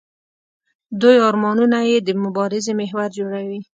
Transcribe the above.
دوی ارمانونه یې د مبارزې محور جوړوي.